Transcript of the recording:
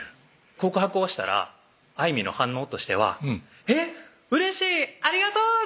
告白をしたら愛実の反応としては「えぇっうれしいありがとう！」